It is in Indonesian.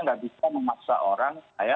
nggak bisa memaksa orang saya